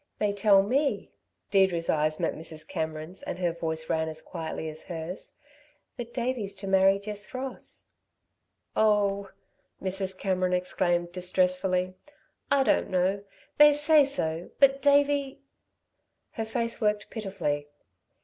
"They tell me," Deirdre's eyes met Mrs. Cameron's, and her voice ran as quietly as hers, "that Davey's to marry Jess Ross." "Oh," Mrs. Cameron exclaimed, distressfully, "I don't know! They say so, but Davey " Her face worked pitifully.